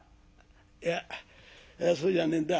「いやそうじゃねえんだ。